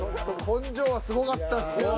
根性はすごかったっすけどね。